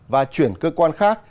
và chuyển cơ quan khác